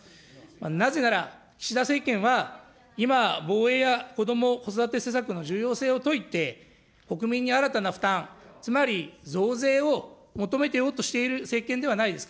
なぜなら、岸田政権は、今防衛やこども・子育て施策の重要性を説いて、国民に新たな負担、つまり、増税を求めようとしている政権ではないですか。